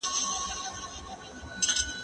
زه ږغ نه اورم؟